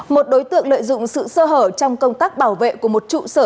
một đối tượng lợi dụng sự sơ hở trong công tác bảo vệ của một trụ sở